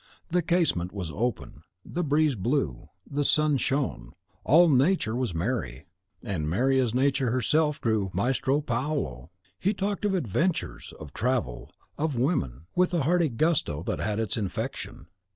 The casement was open, the breeze blew, the sun shone, all Nature was merry; and merry as Nature herself grew Maestro Paolo. He talked of adventures, of travel, of women, with a hearty gusto that had its infection.